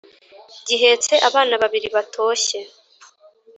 gihetse abana babiri batoshye